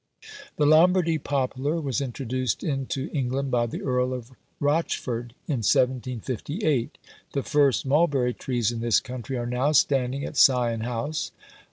The Lombardy poplar was introduced into England by the Earl of Rochford, in 1758. The first mulberry trees in this country are now standing at Sion house.